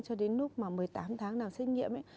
cho đến lúc mà một mươi tám tháng làm xét nghiệm ấy